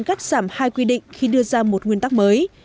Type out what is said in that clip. cắt giảm hai quy định khi đưa ra một nguyên tắc mới